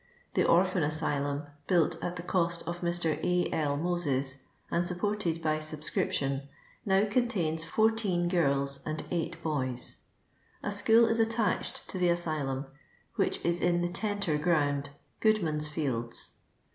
The Orphan Asylum, built at the cost of Mr. A. L. Moses, and sup ported by subscription, now contains 14 girls and 8 boys ; a school is attached to the asylum, which is in the Tenter Ground, Goodman's fields.